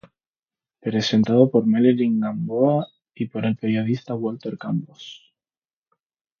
Presentado por Marilyn Gamboa y por el periodista Walter Campos.